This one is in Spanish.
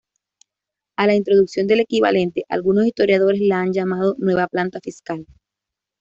A la introducción del equivalente algunos historiadores la han llamado "Nueva Planta" fiscal.